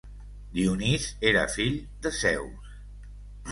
Dionís era fill de Zeus.